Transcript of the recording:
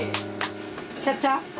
キャッチャー？